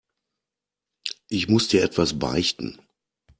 Ich muss dir etwas beichten.